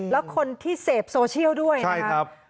แล้วคนที่เสพโซเชียลด้วยนะครับ